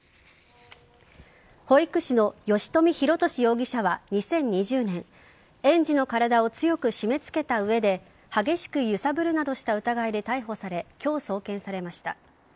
保育士の吉冨弘敏容疑者は２０２０年園児の体を強く締め付けた上で激しく揺さぶるなどした疑いで逮捕され、今日送検されました。